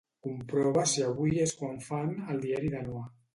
Comprova si avui és quan fan "El diari de Noa".